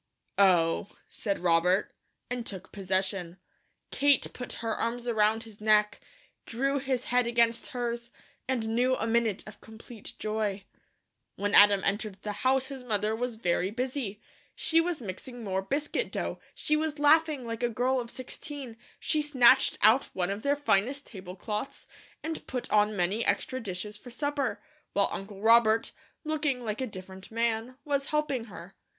"Oh," said Robert, and took possession. Kate put her arms around his neck, drew his head against hers, and knew a minute of complete joy. When Adam entered the house his mother was very busy. She was mixing more biscuit dough, she was laughing like a girl of sixteen, she snatched out one of their finest tablecloths, and put on many extra dishes for supper, while Uncle Robert, looking like a different man, was helping her.